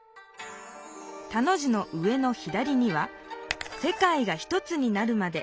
田の字の上の左には「世界がひとつになるまで」。